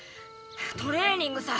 トレーニングさ。